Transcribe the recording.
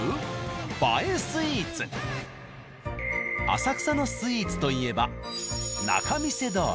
浅草のスイーツといえば仲見世通り。